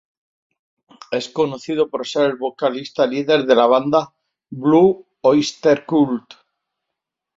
Es conocido por ser el vocalista líder de la banda Blue Öyster Cult.